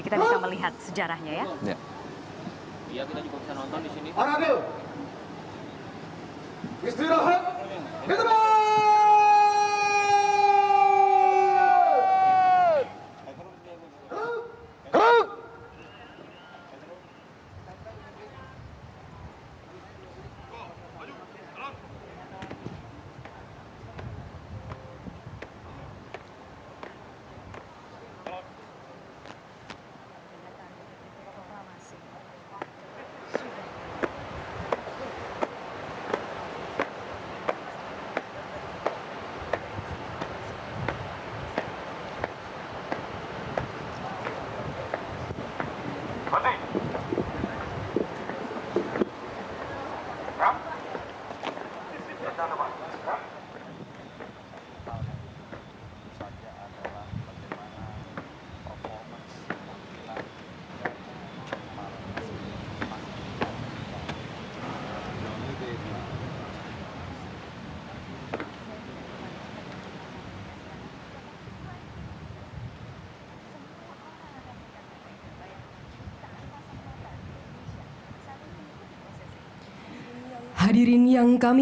kita bisa melihat sejarahnya ya